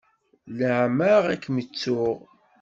Leɛmeɛ i kem-ttuɣ.